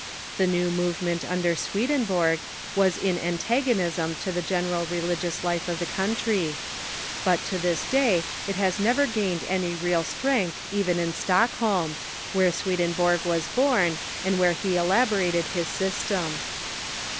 The new movement under Swedenborg was in antagonism to the general religious life of the country ; but to this day it has SWEDENBOKG AND THE NEW CHURCH 329 never gained any real strength even in Stockholm, where Swe denborg Avas born and where he elaborated his system.